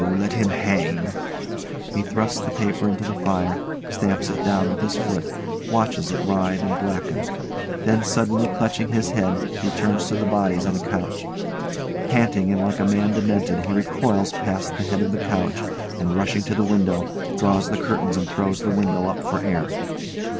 Let him hang! [He thrusts the paper into the fire, stamps it down with his foot, watches it writhe and blacken. Then suddenly clutching his head, he turns to the bodies on the couch. Panting and like a man demented, he recoils past the head of the couch, and rushing to the window, draws the curtains and throws the window up for air.